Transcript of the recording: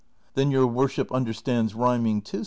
" Then your worship understands rhyming too